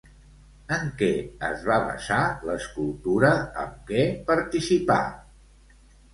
En què es va basar l'escultura amb què participà?